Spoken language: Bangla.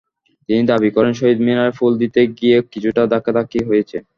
তিনি দাবি করেন, শহীদ মিনারে ফুল দিতে গিয়ে কিছুটা ধাক্কাধাক্কি হয়েছে।